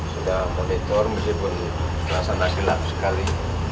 sudah monitor meskipun terasa nakilat sekali